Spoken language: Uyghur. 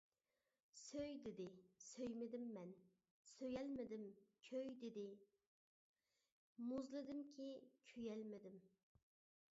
«سۆي» دېدى، سۆيمىدىم مەن، سۆيەلمىدىم، «كۆي» دېدى، مۇزلىدىمكى، كۆيەلمىدىم.